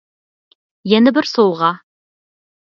يەنە بىر سوۋغا.